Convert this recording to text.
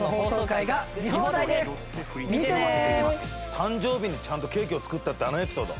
誕生日にちゃんとケーキを作ったってあのエピソード。